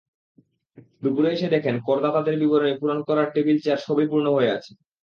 দুপুরে এসে দেখেন, করদাতাদের বিবরণী পূরণ করার টেবিল-চেয়ার সবই পূর্ণ হয়ে আছে।